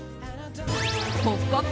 「ポップＵＰ！」